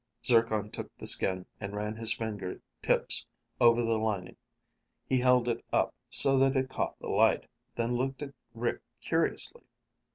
Zircon took the skin and ran his finger tips over the lining. He held it up so that it caught the light, then looked at Rick curiously.